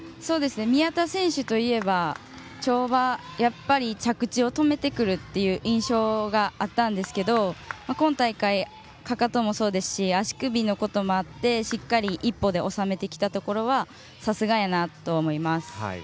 宮田選手といえば跳馬、やっぱり着地を止めてくるという印象があったんですけど今大会、かかともそうですし足首のこともあってしっかり１歩で収めてきたところはさすがやなと思います。